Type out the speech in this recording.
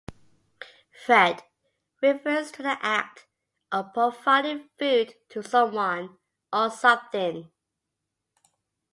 "Fed" refers to the act of providing food to someone or something.